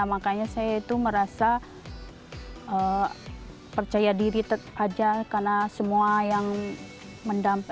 makanya saya itu merasa percaya diri aja karena semua yang mendampingi